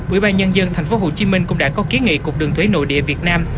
ubnd tp hcm cũng đã có ký nghị cục đường thuế nội địa việt nam